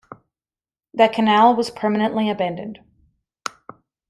The canal was permanently abandoned.